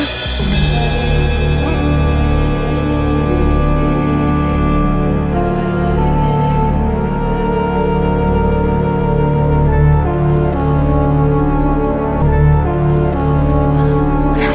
aku sangat bersyukur